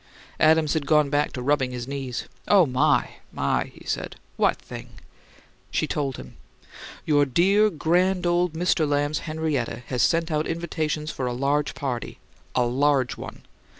Adams had gone back to his rubbing of his knees. "Oh, my, my!" he said. "WHAT thing?" She told him. "Your dear, grand, old Mister Lamb's Henrietta has sent out invitations for a large party a LARGE one.